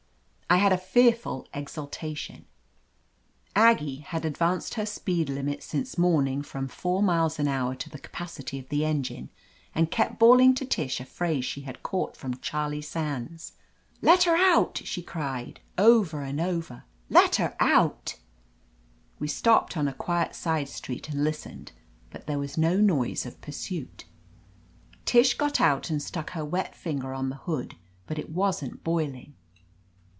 I had a fearful exaltation: 276 OF LETITIA CARBERRY Aggie had advanced her speed limit since morning from four miles an hour to the ca pacity of the engine, and kept bawling to Tish a phrase she had caught from Charlie Sands. 'Tetter out!" she cried,, over and over. "Letter out !" We stopped on a quiet side street and lis tened, but there was no noise of pursuit. Tish got out and stuck her wet finger on the hood, but it wasn't boiling.